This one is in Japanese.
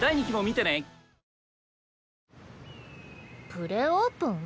プレオープン？